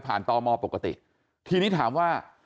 ไปผ่านตมปกติทีนี้ถามว่า